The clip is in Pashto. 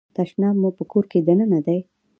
تشناب مو په کور کې دننه دی؟